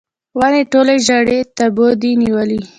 ونې ټوله ژړۍ تبو دي نیولې